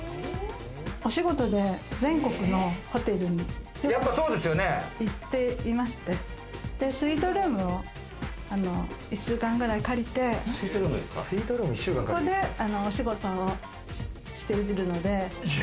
お仕事で全国のホテルに行っていまして、スイートルームを１週間ぐらい借りて、そこで、お仕事をしているので。